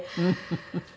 フフフフ。